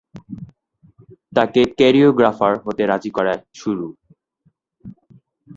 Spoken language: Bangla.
তাকে কোরিওগ্রাফার হতে রাজি করায় সুরু।